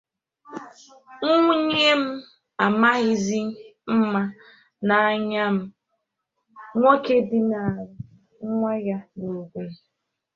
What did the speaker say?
Nwunye M Amaghịzị Mma n'Anya M— Nwoke Dinara Nwa Ya n'Ogun